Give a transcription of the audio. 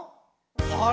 あれ？